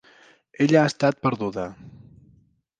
Ella ha estat perduda.